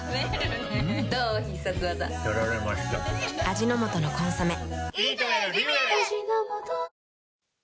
味の素の「コンソメ」